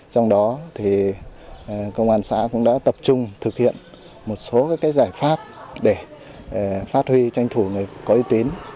trong đó công an xã cũng đã tập trung thực hiện một số giải pháp để phát huy tranh thủ người có y tín